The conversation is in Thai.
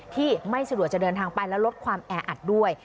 ที่ไม่สะดวกจะเดินทางไปและลดความแออัดด้วย